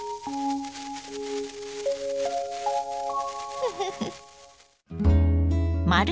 フフフ。